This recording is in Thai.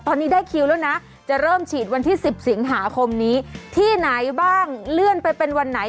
ตอนนี้ได้คิวแล้วนะจะเริ่มฉีดวันที่๑๐สิงหาคมนี้ที่ไหนบ้างเลื่อนไปเป็นวันไหน